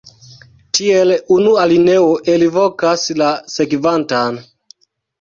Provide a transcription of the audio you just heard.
Tiel unu alineo elvokas la sekvantan.